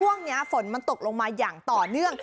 ช่วงนี้ฝนมันตกลงมาอย่างต่อเนื่อง